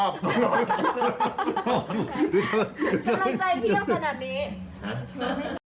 แกล้งใจเพี้ยวขนาดนี้